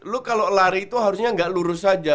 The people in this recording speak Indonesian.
lo kalau lari itu harusnya enggak lurus saja